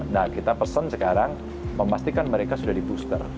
nah kita pesen sekarang memastikan mereka sudah di booster